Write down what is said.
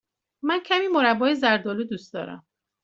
من کمی مربای زرد آلو دوست دارم.